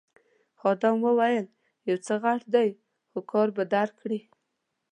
خادم وویل یو څه غټ دی خو کار به درکړي.